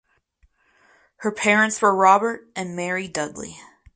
Her parents were Robert and Mary Dudley.